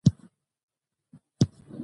هر نظام د خلکو ملاتړ ته اړتیا لري